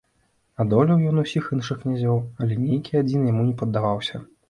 Адолеў ён усіх іншых князёў, але нейкі адзін яму не паддаваўся.